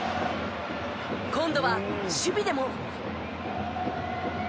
今度は守備でも。